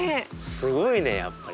すごいねやっぱり。